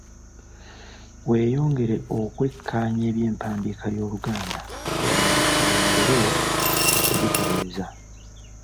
Weeyongere okwekkaanya eby’empandiika y’Oluganda oyongere okugitereeza.